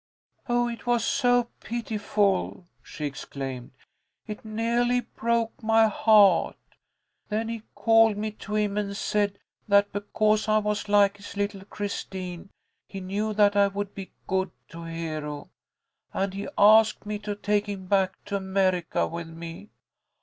"Oh, it was so pitiful!" she exclaimed. "It neahly broke my heart. Then he called me to him and said that because I was like his little Christine, he knew that I would be good to Hero, and he asked me to take him back to America with me.